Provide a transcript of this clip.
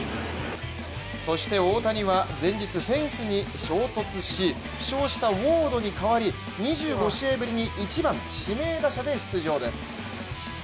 そして、大谷は前日フェンスに衝突し負傷したウォードにかわり２５試合ぶりに１番・指名打者で出場です。